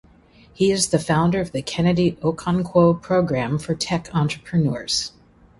He is the founder of the Kennedy Okonkwo Programme For Tech Entrepreneurs.